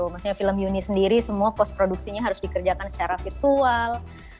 maksudnya film yuni sendiri semua post produksinya harus dikerjakan secara virtual